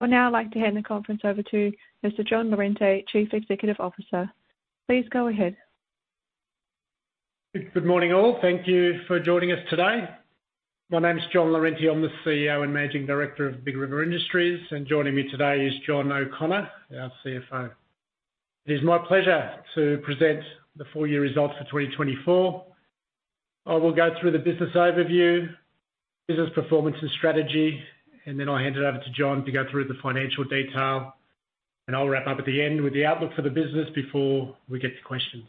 I'd now like to hand the conference over to Mr. John Lorente, Chief Executive Officer. Please go ahead. Good morning, all. Thank you for joining us today. My name is John Lorente. I'm the CEO and Managing Director of Big River Industries, and joining me today is John O'Connor, our CFO. It is my pleasure to present the Full Year Results for 2024. I will go through the business overview, business performance and strategy, and then I'll hand it over to John to go through the financial detail, and I'll wrap up at the end with the outlook for the business before we get to questions.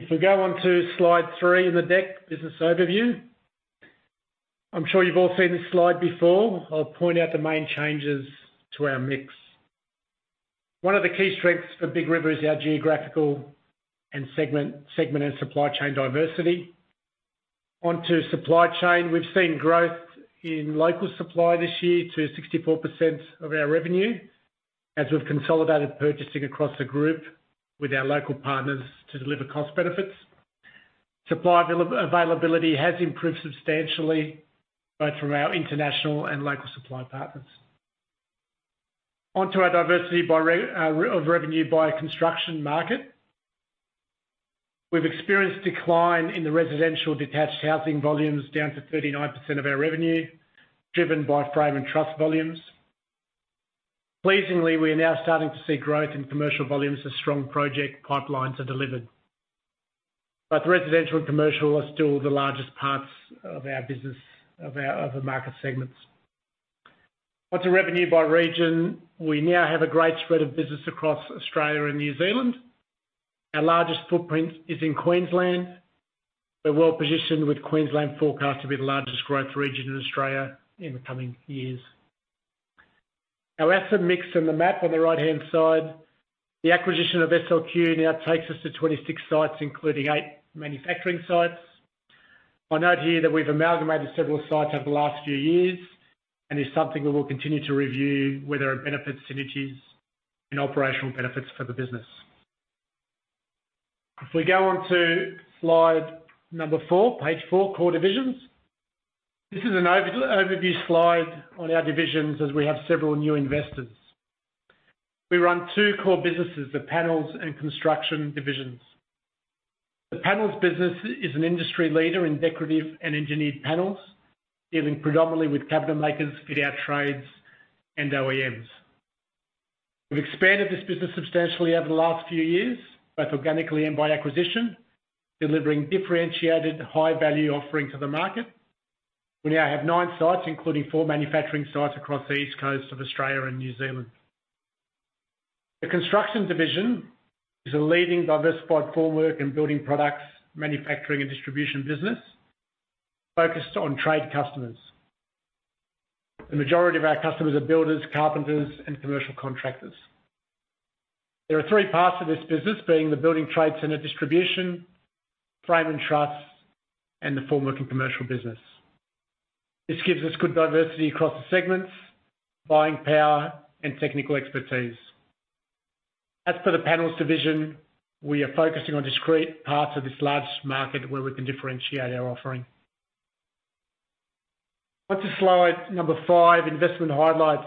If we go on to Slide 3 in the deck, Business Overview. I'm sure you've all seen this Slide before. I'll point out the main changes to our mix. One of the key strengths for Big River is our geographical and segment and supply chain diversity. Onto supply chain, we've seen growth in local supply this year to 64% of our revenue, as we've consolidated purchasing across the group with our local partners to deliver cost benefits. Supply availability has improved substantially, both from our international and local supply partners. Onto our diversity of revenue by construction market. We've experienced decline in the residential detached housing volumes, down to 39% of our revenue, driven by frame and truss volumes. Pleasingly, we are now starting to see growth in commercial volumes as strong project pipelines are delivered. But residential and commercial are still the largest parts of our business, of our other market segments. Onto revenue by region, we now have a great spread of business across Australia and New Zealand. Our largest footprint is in Queensland, but well-positioned, with Queensland forecast to be the largest growth region in Australia in the coming years. Our asset mix on the map on the right-hand side, the acquisition of SLQ now takes us to 26 sites, including 8 manufacturing sites. I note here that we've amalgamated several sites over the last few years, and it's something we will continue to review, where there are benefit synergies and operational benefits for the business. If we go on to Slide 4, page four, Core Divisions. This is an overview slide on our divisions as we have several new investors. We run two core businesses, the panels and construction divisions. The panels business is an industry leader in decorative and engineered panels, dealing predominantly with cabinet makers in our trades and OEMs. We've expanded this business substantially over the last few years, both organically and by acquisition, delivering differentiated high-value offering to the market. We now have nine sites, including four manufacturing sites across the east coast of Australia and New Zealand. The construction division is a leading diversified formwork and building products, manufacturing and distribution business focused on trade customers. The majority of our customers are builders, carpenters, and commercial contractors. There are three parts to this business, being the building trade center distribution, frame and truss, and the formwork and commercial business. This gives us good diversity across the segments, buying power and technical expertise. As for the panels division, we are focusing on discrete parts of this large market where we can differentiate our offering. Onto Slide 5, Investment Highlights.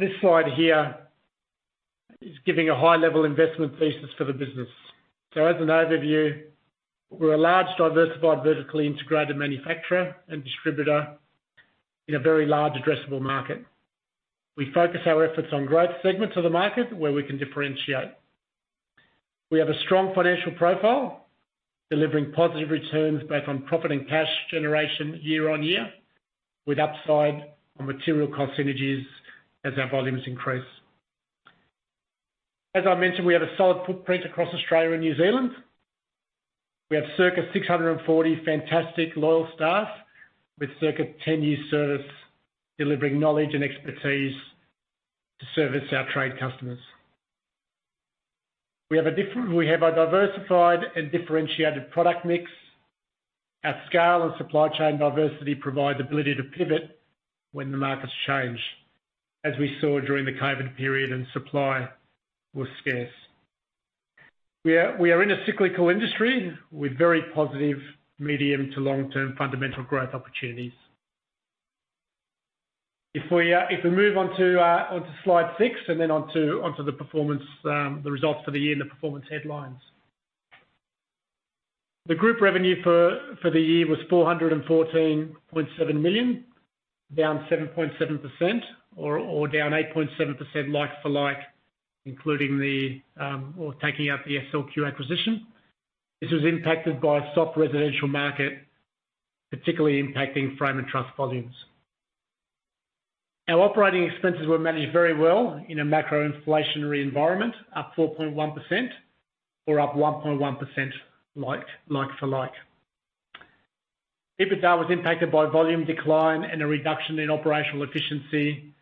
This slide here is giving a high-level investment thesis for the business. As an overview, we're a large, diversified, vertically integrated manufacturer and distributor in a very large addressable market. We focus our efforts on growth segments of the market where we can differentiate. We have a strong financial profile, delivering positive returns both on profit and cash generation year on year, with upside on material cost synergies as our volumes increase. As I mentioned, we have a solid footprint across Australia and New Zealand. We have circa 640 fantastic, loyal staff, with circa 10 years' service, delivering knowledge and expertise to service our trade customers. We have a diversified and differentiated product mix. Our scale and supply chain diversity provide the ability to pivot when the markets change, as we saw during the COVID period and supply was scarce. We are in a cyclical industry with very positive medium to long-term fundamental growth opportunities. If we move on to onto Slide 6 and then onto the performance, the results for the year and the performance headlines. The group revenue for the year was 414.7 million, down 7.7%, or down 8.7% like for like, including the or taking out the SLQ acquisition. This was impacted by a soft residential market, particularly impacting frame and truss volumes. Our operating expenses were managed very well in a macro inflationary environment, up 4.1% or up 1.1% like for like. EBITDA was impacted by volume decline and a reduction in operational efficiency,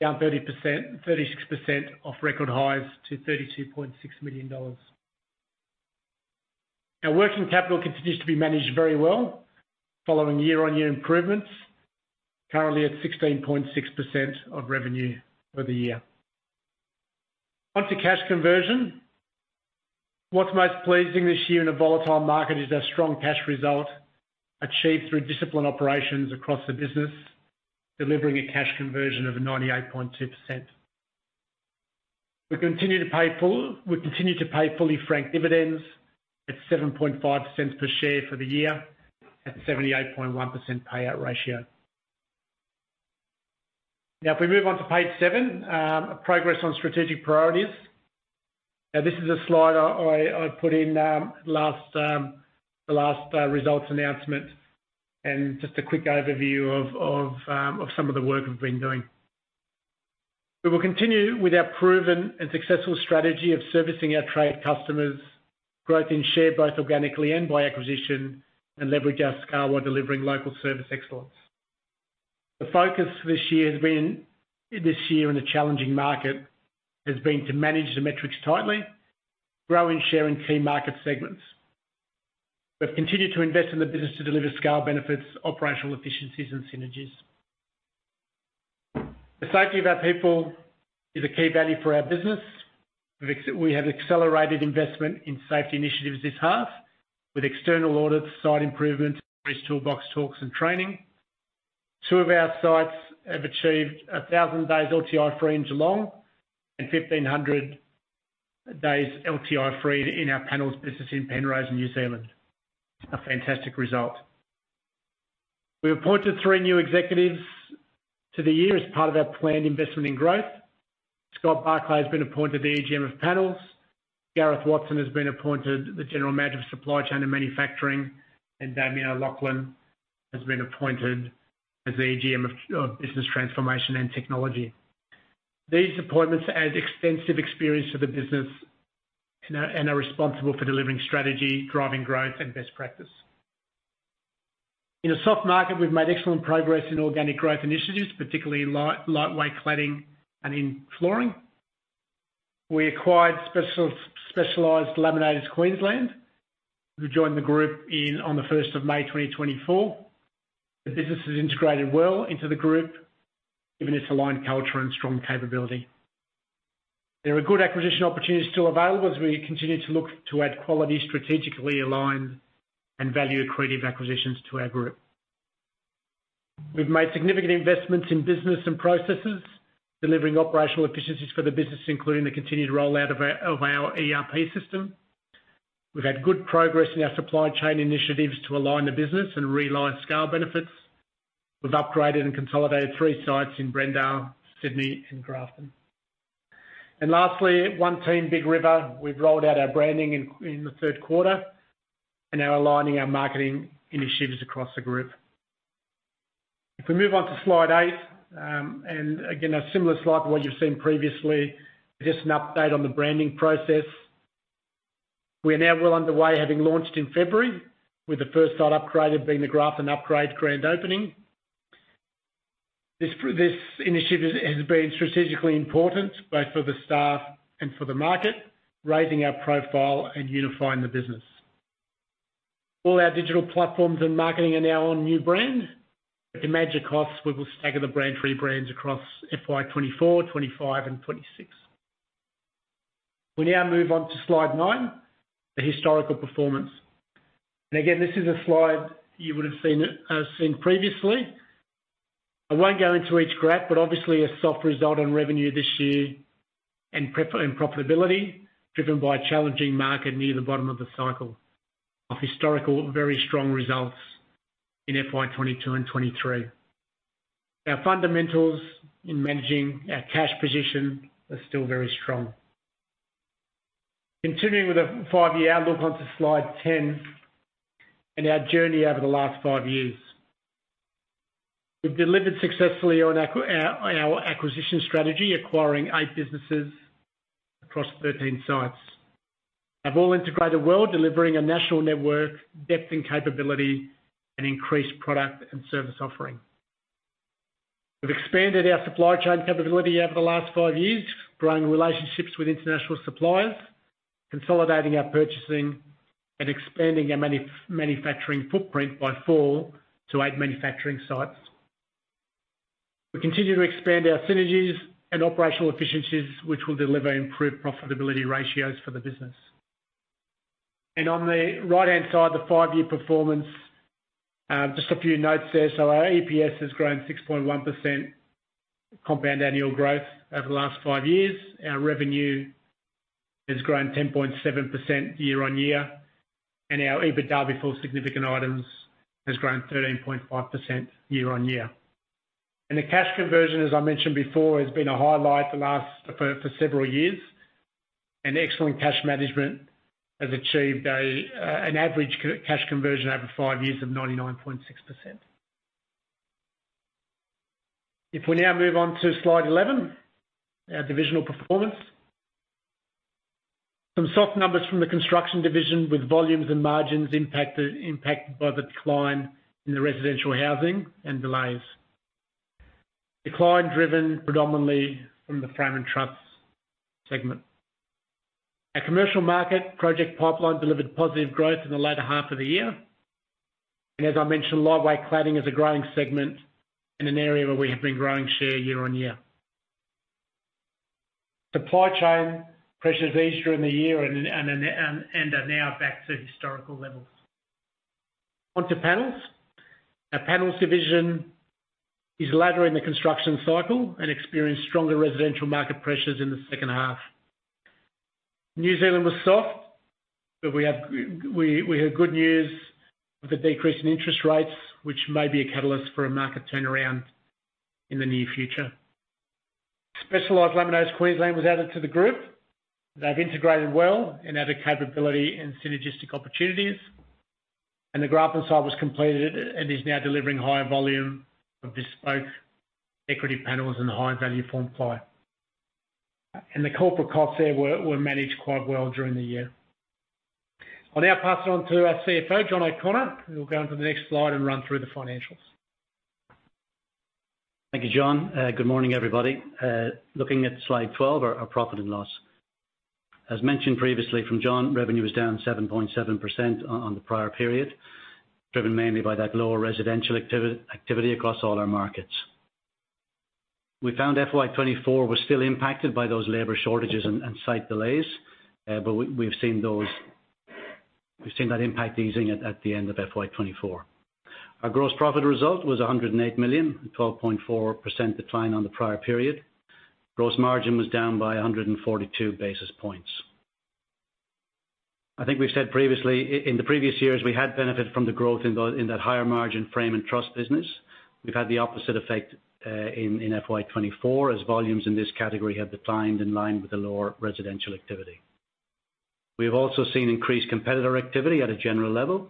down 36% off record highs to 32.6 million dollars. Our working capital continues to be managed very well, following year-on-year improvements, currently at 16.6% of revenue for the year. Onto cash conversion. What's most pleasing this year in a volatile market is our strong cash result, achieved through disciplined operations across the business, delivering a cash conversion of 98.2%. We continue to pay fully franked dividends at 0.075 per share for the year, at 78.1% payout ratio. Now, if we move on to page seven, progress on strategic priorities. Now, this is a Slide I put in last results announcement, and just a quick overview of some of the work we've been doing. We will continue with our proven and successful strategy of servicing our trade customers, growth in share, both organically and by acquisition, and leverage our scale while delivering local service excellence. The focus this year in a challenging market has been to manage the metrics tightly, grow and share in key market segments. We've continued to invest in the business to deliver scale benefits, operational efficiencies, and synergies. The safety of our people is a key value for our business. We have accelerated investment in safety initiatives this half, with external audits, site improvements, toolbox talks, and training. Two of our sites have achieved a thousand days LTI free in Geelong, and fifteen hundred days LTI free in our panels business in Penrose, New Zealand. A fantastic result. We appointed three new executives to the team as part of our planned investment in growth. Scott Barclay has been appointed the EGM of Panels. Gareth Watson has been appointed the General Manager of Supply Chain and Manufacturing, and Damian Loughlin has been appointed as the EGM of Business Transformation and Technology. These appointments add extensive experience to the business and are responsible for delivering strategy, driving growth, and best practice. In a soft market, we've made excellent progress in organic growth initiatives, particularly in lightweight cladding and in flooring. We acquired Specialised Laminators Queensland, who joined the group on the first of May, 2024. The business has integrated well into the group, given its aligned culture and strong capability. There are good acquisition opportunities still available as we continue to look to add quality, strategically aligned, and value-accretive acquisitions to our group. We've made significant investments in business and processes, delivering operational efficiencies for the business, including the continued rollout of our ERP system. We've had good progress in our supply chain initiatives to align the business and realize scale benefits. We've upgraded and consolidated three sites in Brendale, Sydney, and Grafton. And lastly, One Team Big River, we've rolled out our branding in the third quarter, and now aligning our marketing initiatives across the group. If we move on to Slide 8, and again, a similar slide to what you've seen previously, just an update on the branding process. We are now well underway, having launched in February, with the first site upgrade having been the Grafton upgrade grand opening. This initiative has been strategically important, both for the staff and for the market, raising our profile and unifying the business. All our digital platforms and marketing are now on new brand. To manage our costs, we will stagger the brand, three brands across FY 2024, 2025, and 2026. We now move on to Slide 9, the historical performance. Again, this is a slide you would have seen previously. I won't go into each graph, but obviously a soft result on revenue this year, and profitability, driven by a challenging market near the bottom of the cycle, of historical, very strong results in FY 2022 and 2023. Our fundamentals in managing our cash position are still very strong. Continuing with a five-year outlook onto Slide 10, and our journey over the last five years. We've delivered successfully on our acquisition strategy, acquiring eight businesses across thirteen sites. Have all integrated well, delivering a national network, depth and capability, and increased product and service offering. We've expanded our supply chain capability over the last five years, growing relationships with international suppliers, consolidating our purchasing, and expanding our manufacturing footprint by four to eight manufacturing sites. We continue to expand our synergies and operational efficiencies, which will deliver improved profitability ratios for the business. On the right-hand side, the five-year performance, just a few notes there. So our EPS has grown 6.1% compound annual growth over the last five years. Our revenue has grown 10.7% year on year, and our EBITDA before significant items has grown 13.5% year on year, and the cash conversion, as I mentioned before, has been a highlight the last four several years, and excellent cash management has achieved an average cash conversion over five years of 99.6%. If we now move on to Slide 11, our divisional performance. Some soft numbers from the construction division, with volumes and margins impacted by the decline in the residential housing and delays, decline driven predominantly from the frame and truss segment. Our commercial market project pipeline delivered positive growth in the latter half of the year, and as I mentioned, lightweight cladding is a growing segment in an area where we have been growing share year-on-year. Supply chain pressures eased during the year and are now back to historical levels. Onto panels. Our panels division is later in the construction cycle and experienced stronger residential market pressures in the second half. New Zealand was soft, but we had good news with a decrease in interest rates, which may be a catalyst for a market turnaround in the near future. Specialised Laminators Queensland was added to the group. They've integrated well and added capability and synergistic opportunities, and the Grafton site was completed and is now delivering high volume of bespoke equity panels and high-value Formply. The corporate costs there were managed quite well during the year. I'll now pass it on to our CFO, John O'Connor, who will go on to the next slide and run through the financials. Thank you, John. Good morning, everybody. Looking at Slide 12, our profit and loss. As mentioned previously from John, revenue was down 7.7% on the prior period, driven mainly by that lower residential activity across all our markets. We found FY 2024 was still impacted by those labor shortages and site delays, but we've seen that impact easing at the end of FY 2024. Our gross profit result was 108 million, a 12.4% decline on the prior period. Gross margin was down by 142 basis points. I think we've said previously, in the previous years, we had benefited from the growth in that higher margin frame and truss business. We've had the opposite effect in FY 2024, as volumes in this category have declined in line with the lower residential activity. We've also seen increased competitor activity at a general level,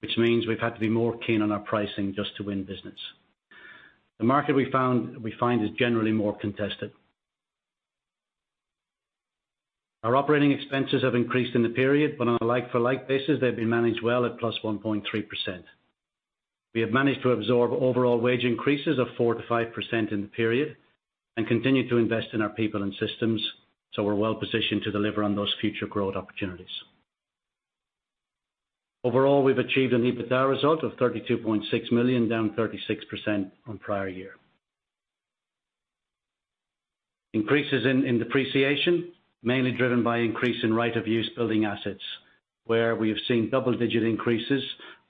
which means we've had to be more keen on our pricing just to win business. The market we found, we find, is generally more contested. Our operating expenses have increased in the period, but on a like-for-like basis, they've been managed well at plus 1.3%. We have managed to absorb overall wage increases of 4%-5% in the period and continued to invest in our people and systems, so we're well positioned to deliver on those future growth opportunities. Overall, we've achieved an EBITDA result of 32.6 million, down 36% on prior year. Increases in depreciation, mainly driven by increase in right-of-use building assets, where we have seen double-digit increases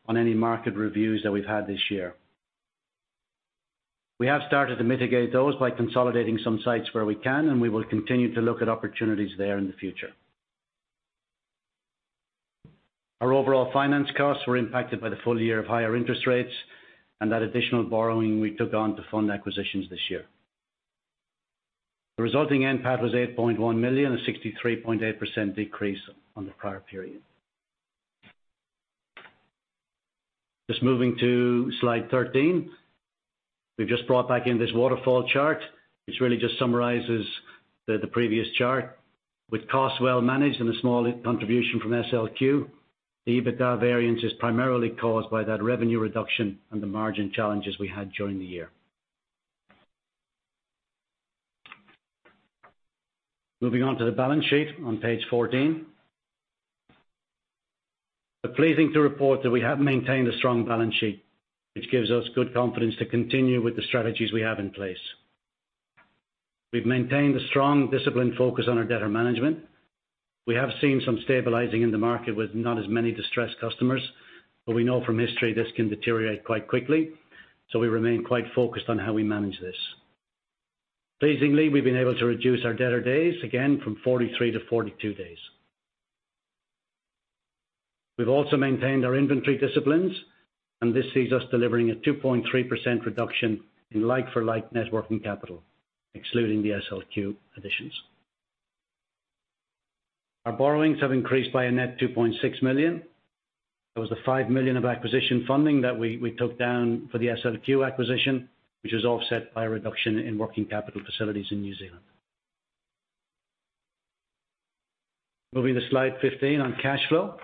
on any market reviews that we've had this year. We have started to mitigate those by consolidating some sites where we can, and we will continue to look at opportunities there in the future. Our overall finance costs were impacted by the full year of higher interest rates and that additional borrowing we took on to fund acquisitions this year. The resulting NPAT was 8.1 million, a 63.8% decrease on the prior period. Just moving to Slide 13. We've just brought back in this waterfall chart, which really just summarizes the previous chart. With costs well managed and a small contribution from SLQ, the EBITDA variance is primarily caused by that revenue reduction and the margin challenges we had during the year. Moving on to the balance sheet on page 14. We're pleased to report that we have maintained a strong balance sheet, which gives us good confidence to continue with the strategies we have in place. We've maintained a strong, disciplined focus on our debtor management. We have seen some stabilizing in the market with not as many distressed customers, but we know from history this can deteriorate quite quickly, so we remain quite focused on how we manage this. Pleasingly, we've been able to reduce our debtor days again from 43 to 42 days. We've also maintained our inventory disciplines, and this sees us delivering a 2.3% reduction in like-for-like net working capital, excluding the SLQ additions. Our borrowings have increased by a net 2.6 million. There was the 5 million of acquisition funding that we took down for the SLQ acquisition, which was offset by a reduction in working capital facilities in New Zealand. Moving to Slide 15 on cash flow.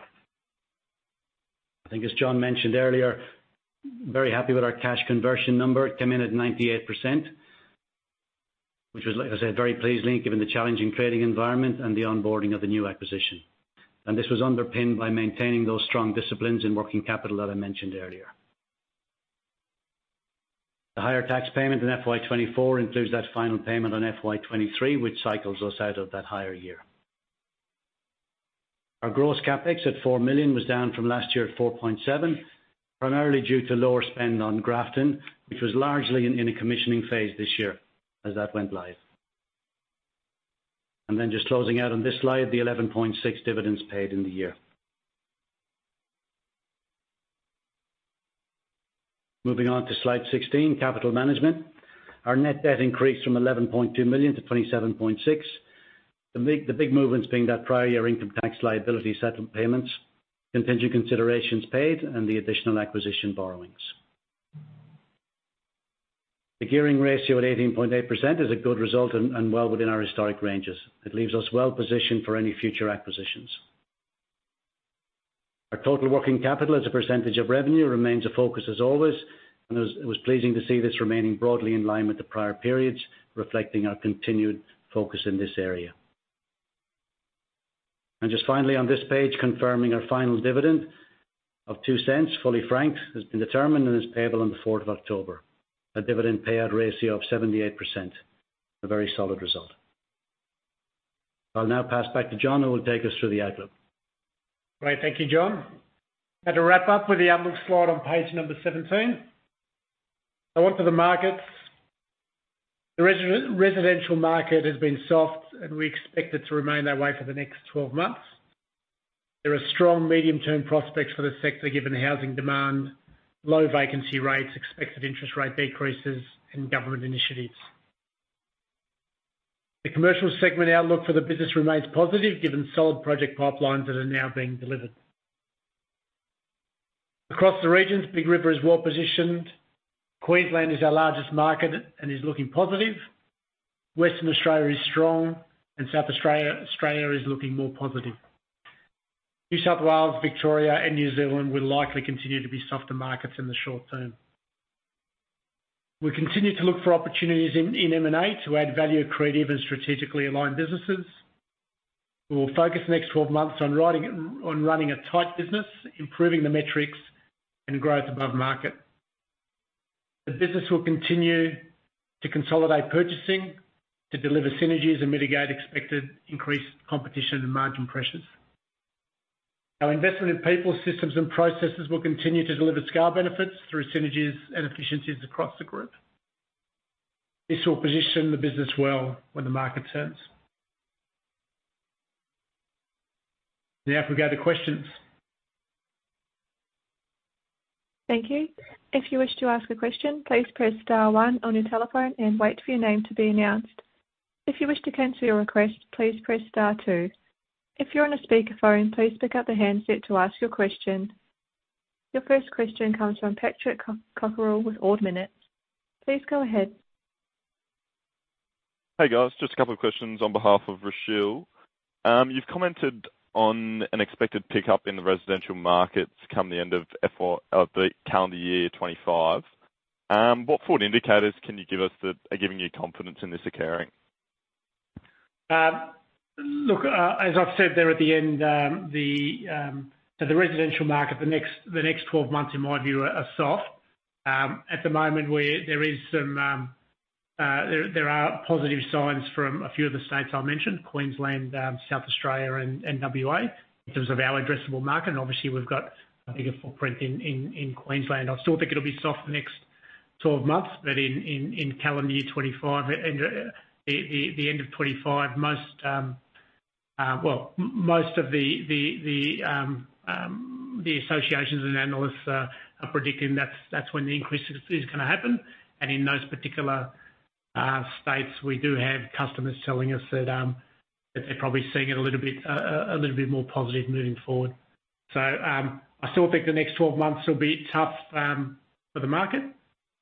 I think, as John mentioned earlier, very happy with our cash conversion number. It came in at 98%, which was, like I said, very pleasing, given the challenging trading environment and the onboarding of the new acquisition. This was underpinned by maintaining those strong disciplines in working capital that I mentioned earlier. The higher tax payment in FY 2024 includes that final payment on FY 2023, which cycles us out of that higher year. Our gross CapEx at 4 million was down from last year at 4.7, primarily due to lower spend on Grafton, which was largely in a commissioning phase this year as that went live. And then just closing out on this slide, the 11.6 dividends paid in the year. Moving on to Slide 16, capital management. Our net debt increased from 11.2 million to 27.6 million. The big movements being that prior year income tax liability settlement payments, contingent considerations paid, and the additional acquisition borrowings. The gearing ratio at 18.8% is a good result and well within our historic ranges. It leaves us well positioned for any future acquisitions. Our total working capital as a percentage of revenue remains a focus as always, and it was pleasing to see this remaining broadly in line with the prior periods, reflecting our continued focus in this area. And just finally, on this page, confirming our final dividend of 0.02, fully franked, has been determined and is payable on the fourth of October. A dividend payout ratio of 78%, a very solid result. I'll now pass back to John, who will take us through the outlook. Great. Thank you, John. And to wrap up with the outlook slide on page number seventeen. Now on to the markets. The residential market has been soft, and we expect it to remain that way for the next twelve months. There are strong medium-term prospects for the sector, given the housing demand, low vacancy rates, expected interest rate decreases, and government initiatives. The commercial segment outlook for the business remains positive, given solid project pipelines that are now being delivered. Across the regions, Big River is well positioned. Queensland is our largest market and is looking positive. Western Australia is strong, and South Australia, Australia is looking more positive. New South Wales, Victoria and New Zealand will likely continue to be softer markets in the short term. We continue to look for opportunities in M&A to add value to accretive and strategically aligned businesses. We will focus the next twelve months on running a tight business, improving the metrics, and growth above market. The business will continue to consolidate purchasing to deliver synergies and mitigate expected increased competition and margin pressures. Our investment in people, systems, and processes will continue to deliver scale benefits through synergies and efficiencies across the group. This will position the business well when the market turns. Now, we go to questions. Thank you. If you wish to ask a question, please press star one on your telephone and wait for your name to be announced. If you wish to cancel your request, please press star two. If you're on a speakerphone, please pick up the handset to ask your question. Your first question comes from Patrick Cockerill with Ord Minnett. Please go ahead. Hey, guys. Just a couple of questions on behalf of Rochelle. You've commented on an expected pickup in the residential markets come the end of the calendar year 2025. What forward indicators can you give us that are giving you confidence in this occurring? Look, as I've said there at the end, so the residential market, the next twelve months, in my view, are soft. At the moment, there are positive signs from a few of the states I mentioned, Queensland, South Australia, and WA, in terms of our addressable market, and obviously, we've got a bigger footprint in Queensland. I still think it'll be soft for the next twelve months, but in calendar year 2025, and the end of 2025, most, well, most of the associations and analysts are predicting that's when the increase is gonna happen. And in those particular states, we do have customers telling us that they're probably seeing it a little bit more positive moving forward. So I still think the next twelve months will be tough for the market,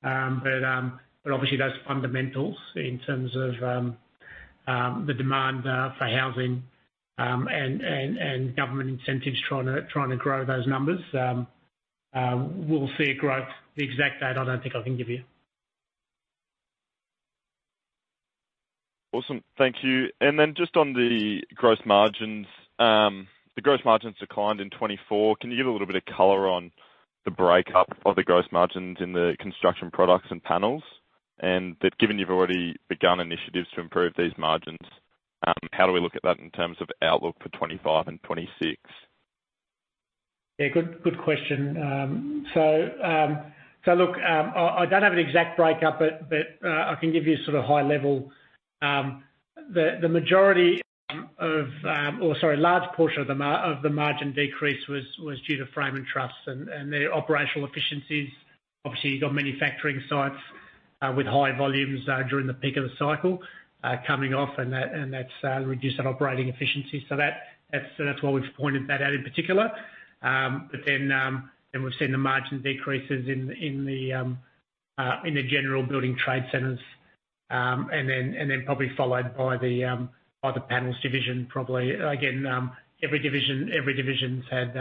but obviously, those fundamentals in terms of the demand for housing and government incentives trying to grow those numbers, we'll see a growth. The exact date, I don't think I can give you. Awesome. Thank you. And then just on the gross margins, the gross margins declined in 2024. Can you give a little bit of color on the breakdown of the gross margins in the construction products and panels? And that given you've already begun initiatives to improve these margins, how do we look at that in terms of outlook for 2025 and 2026? Yeah, good question. So, so look, I don't have an exact breakdown, but, but, I can give you sort of high level. The majority of, or sorry, a large portion of the margin decrease was due to frame and truss and their operational efficiencies. Obviously, you've got manufacturing sites with high volumes during the peak of the cycle coming off, and that's reduced our operating efficiencies. So that's why we've pointed that out in particular. But then, then we've seen the margin decreases in the general building trade centers, and then probably followed by the panels division, probably. Again, every division's had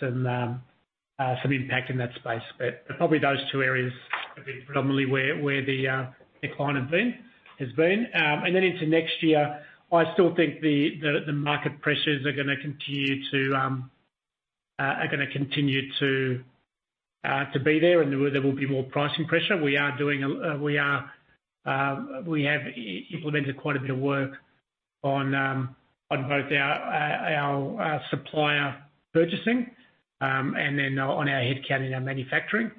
some impact in that space. But probably those two areas have been predominantly where the decline has been. And then into next year, I still think the market pressures are gonna continue to be there, and there will be more pricing pressure. We have implemented quite a bit of work on both our supplier purchasing and then on our headcount in our manufacturing,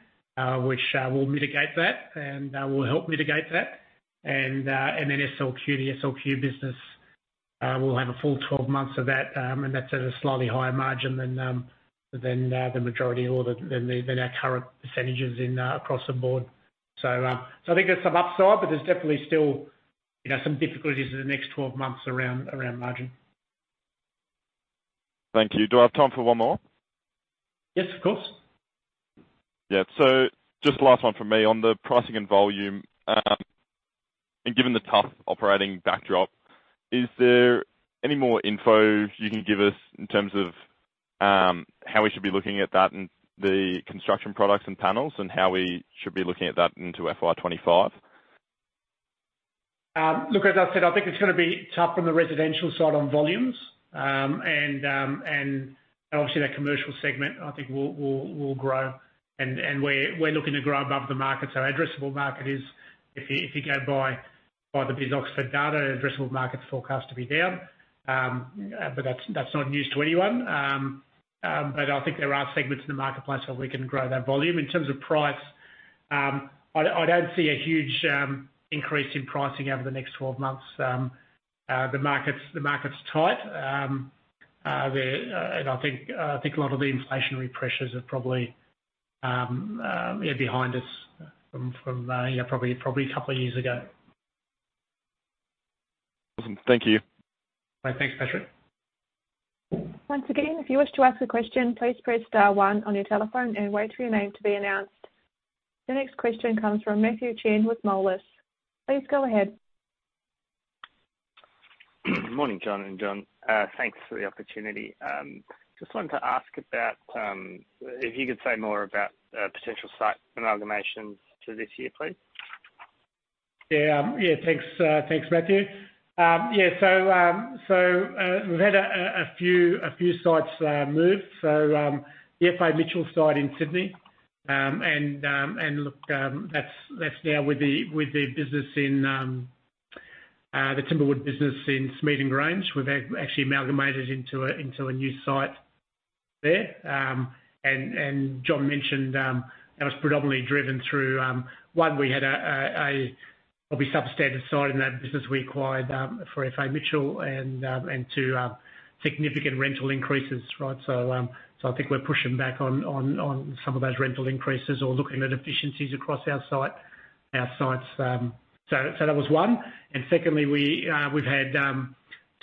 which will mitigate that, and will help mitigate that. Then SLQ, the SLQ business, we'll have a full twelve months of that, and that's at a slightly higher margin than the majority of our current percentages across the board. So I think there's some upside, but there's definitely still, you know, some difficulties in the next twelve months around margin. Thank you. Do I have time for one more? Yes, of course.... Yeah, so just last one from me. On the pricing and volume, and given the tough operating backdrop, is there any more info you can give us in terms of how we should be looking at that and the construction products and panels, and how we should be looking at that into FY 2025? Look, as I said, I think it's gonna be tough on the residential side on volumes. Obviously, that commercial segment, I think will grow, and we're looking to grow above the market, so addressable market is, if you go by the BIS Oxford data, addressable market is forecast to be down, but that's not news to anyone, but I think there are segments in the marketplace where we can grow that volume. In terms of price, I don't see a huge increase in pricing over the next twelve months. The market's tight, and I think a lot of the inflationary pressures are probably behind us from probably a couple of years ago. Awesome. Thank you. All right, thanks, Patrick. Once again, if you wish to ask a question, please press star one on your telephone and wait for your name to be announced. The next question comes from Matthew Chen with Moelis. Please go ahead. Morning, John and John. Thanks for the opportunity. Just wanted to ask about if you could say more about potential site amalgamations to this year, please? Yeah. Yeah, thanks, Matthew. Yeah, so, we've had a few sites move. So, the FA Mitchell site in Sydney, and look, that's now with the business in the Timberwood business in Smeaton Grange. We've actually amalgamated into a new site there. And John mentioned, that was predominantly driven through, one, we had a probably substandard site in that business we acquired, for FA Mitchell, and two, significant rental increases, right? So, I think we're pushing back on some of those rental increases or looking at efficiencies across our sites. So, that was one. Secondly, we've had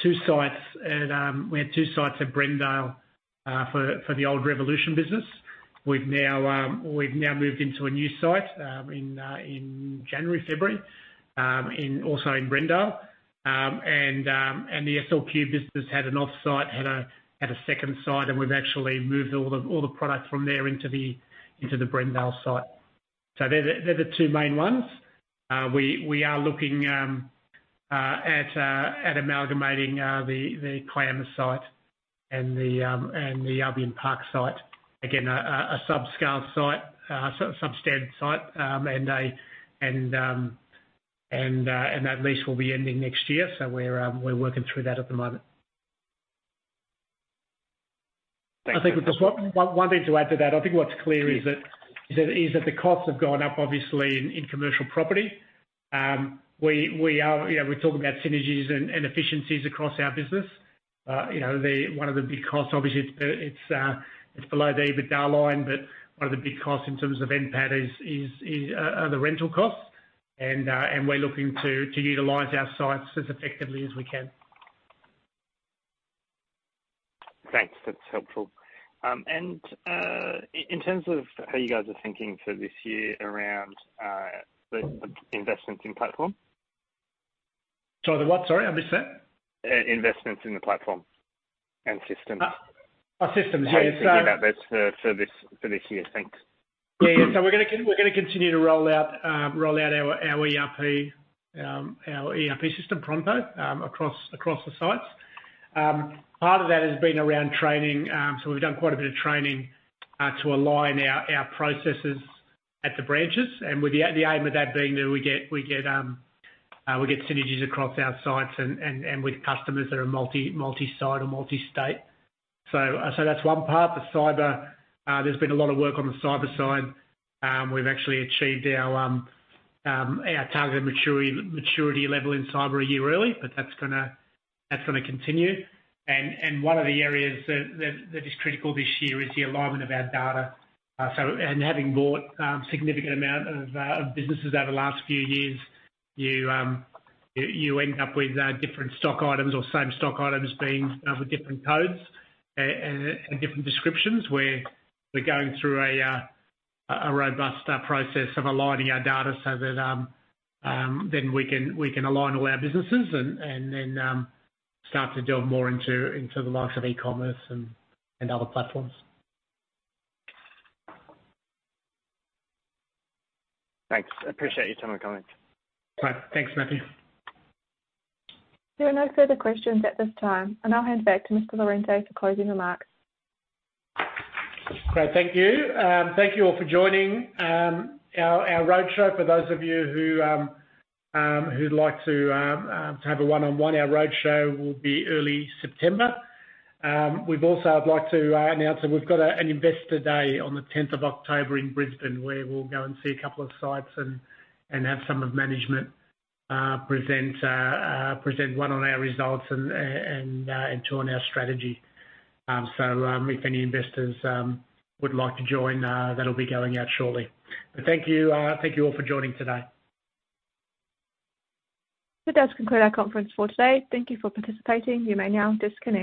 two sites at Brendale for the old Revolution business. We've now moved into a new site in January, February, also in Brendale. The SLQ business had an offsite, a second site, and we've actually moved all the product from there into the Brendale site. So they're the two main ones. We are looking at amalgamating the Frame site and the Albion Park site. Again, a subscale site, so substandard site, and that lease will be ending next year. So we're working through that at the moment. Thanks- I think just one thing to add to that. I think what's clear is that the costs have gone up, obviously, in commercial property. We are. You know, we talk about synergies and efficiencies across our business. You know, one of the big costs, obviously, it's below the EBITDA line, but one of the big costs in terms of NPAT is the rental costs, and we're looking to utilize our sites as effectively as we can. Thanks. That's helpful. In terms of how you guys are thinking for this year around the investments in platform? Sorry, the what? Sorry, I missed that. Investments in the platform and systems. Systems, yes. Thinking about this for this year. Thanks. Yeah, so we're gonna continue to roll out our ERP system, Pronto, across the sites. Part of that has been around training. So we've done quite a bit of training to align our processes at the branches, and with the aim of that being that we get synergies across our sites and with customers that are multi-site or multi-state. So that's one part, the cyber. There's been a lot of work on the cyber side. We've actually achieved our target maturity level in cyber a year early, but that's gonna continue. And one of the areas that is critical this year is the alignment of our data. So, and having bought a significant amount of businesses over the last few years, you end up with different stock items or same stock items being with different codes and different descriptions, where we're going through a robust process of aligning our data so that then we can align all our businesses and then start to delve more into the likes of e-commerce and other platforms. Thanks. I appreciate your time and comment. All right. Thanks, Matthew. There are no further questions at this time, and I'll hand back to Mr. Lorente for closing remarks. Great. Thank you. Thank you all for joining our roadshow. For those of you who'd like to have a one-on-one, our roadshow will be early September. We've also. I'd like to announce that we've got an investor day on the tenth of October in Brisbane, where we'll go and see a couple of sites and have some of management present one, on our results, and two, on our strategy. So, if any investors would like to join, that'll be going out shortly. But thank you all for joining today. That does conclude our conference for today. Thank you for participating. You may now disconnect.